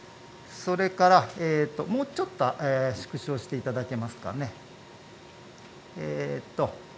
もうちょっと縮小していただけますかね。